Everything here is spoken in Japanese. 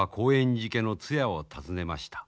寺家のつやを訪ねました。